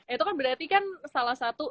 itu kan berarti kan salah satu